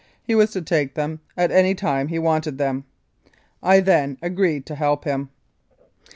He was to take them at any time he wanted them. "I then agreed to help him.